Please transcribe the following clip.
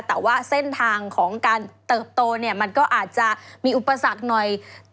แต่ว่าเส้นทางของการเติบโตเนี่ยมันก็อาจจะมีอุปสรรคหน่อย